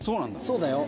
そうだよ。